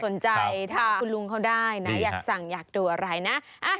สนใจถ้าคุณลุงเขาได้นะอยากสั่งอยากดูอะไรนะ